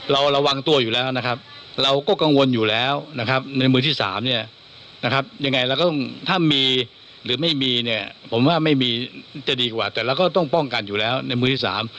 ระวังตัวอยู่แล้วนะครับเราก็กังวลอยู่แล้วนะครับในมือที่สามเนี่ยนะครับยังไงเราก็ต้องถ้ามีหรือไม่มีเนี่ยผมว่าไม่มีจะดีกว่าแต่เราก็ต้องป้องกันอยู่แล้วในมือที่สาม